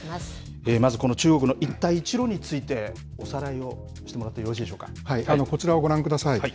まずこの中国の一帯一路について、おさらいをしてもらってよろしいこちらをご覧ください。